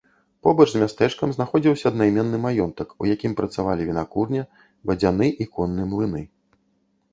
Побач з мястэчкам знаходзіўся аднайменны маёнтак, у якім працавалі вінакурня, вадзяны і конны млыны.